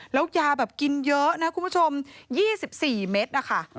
แล้วยาแบบกินเยอะนะคุณผู้ชม๒๔เม็ดนะคะ